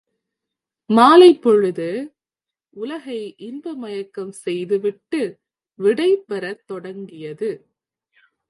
மாலைப் பொழுது, உலகை இன்பமயக்கம் செய்துவிட்டு விடை பெறத் தொடங்கியது.